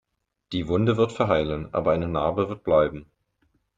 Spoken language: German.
Die Wunde wird verheilen, aber eine Narbe wird bleiben.